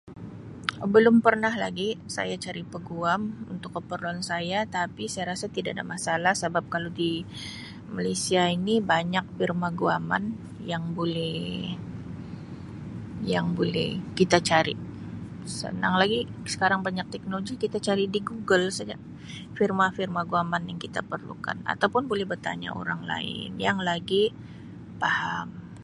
"Belum pernah lagi saya cari peguam untuk keperluan saya tapi saya rasa tidak ada masalah sabab kalau di Malaysia ini banyak pirma guaman yang boleh-yang boleh kita cari. Senang lagi sekarang banyak teknologi kita cari di ""Google"" saja. Firma-firma guaman yang kita perlukan ataupun boleh bertanya orang lain yang lagi paham. "